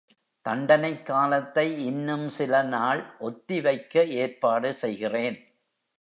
தண்டனைக் காலத்தை இன்னும் சில நாள் ஒத்திவைக்க ஏற்பாடு செய்கிறேன்.